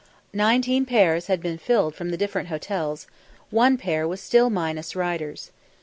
Nineteen pairs had been filled from the different hotels, one pair was still minus riders.